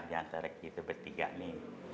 di antara kita itu bertiga nih